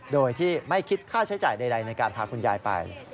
โดยที่ไม่คิดค่าใช้จ่ายใดในการพาคุณยายไป